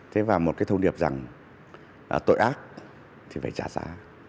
thế và một cái thông điệp rằng tội ác thì phải trả giá